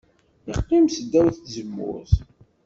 Yeqqim s ddaw n tzemmurt.